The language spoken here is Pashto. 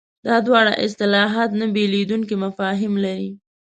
دا دواړه اصطلاحات نه بېلېدونکي مفاهیم لري.